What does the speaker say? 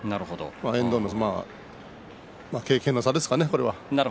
遠藤の稽古の差ですかね。